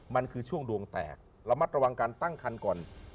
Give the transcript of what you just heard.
มันคือช่วงดวงแตกระมัดระวังการตั้งคันก่อน